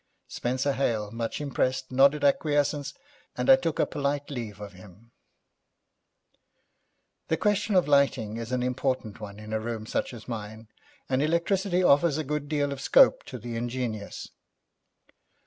Spenser Hale, much impressed, nodded acquiescence, and I took a polite leave of him. The question of lighting is an important one in a room such as mine, and electricity offers a good deal of scope to the ingenious.